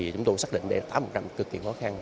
tám cực kỳ khó khăn